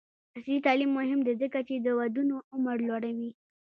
عصري تعلیم مهم دی ځکه چې د ودونو عمر لوړوي.